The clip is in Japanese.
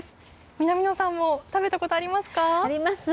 南野さんも食べたことありますか？